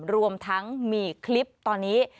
รวมทั้งมีคลิปตอนนี้